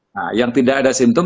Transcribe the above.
nah yang tidak ada simptom